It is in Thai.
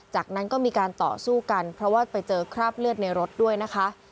จากนั้นก็มีการต่อสู้กันเพราะว่าไปเจอคราบเลือดในรถด้วยนะคะ